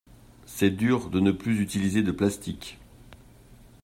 C'est dur de ne plus utiliser de plastique.